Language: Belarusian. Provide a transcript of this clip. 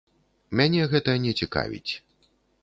Мяне гэта не цікавіць.